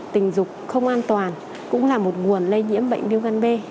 tình dục không an toàn cũng là một nguồn lây nhiễm bệnh viêm gan b